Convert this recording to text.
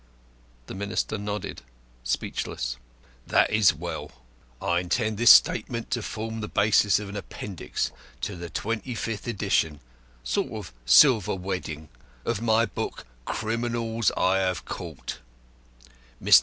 The Minister nodded, speechless. "That is well. I intend this statement to form the basis of an appendix to the twenty fifth edition sort of silver wedding of my book, Criminals I have Caught. Mr.